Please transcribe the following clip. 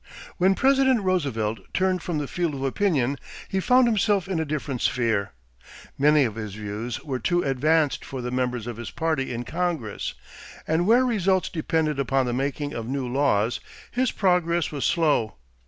= When President Roosevelt turned from the field of opinion he found himself in a different sphere. Many of his views were too advanced for the members of his party in Congress, and where results depended upon the making of new laws, his progress was slow.